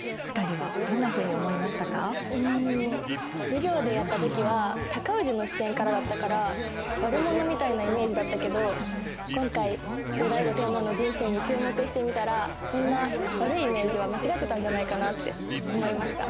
授業でやった時は尊氏の視点からだったから悪者みたいなイメージだったけど今回後醍醐天皇の人生に注目してみたらそんな悪いイメージは間違ってたんじゃないかなって思いました。